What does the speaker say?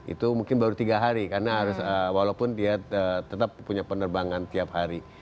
itu mungkin baru tiga hari karena harus walaupun dia tetap punya penerbangan tiap hari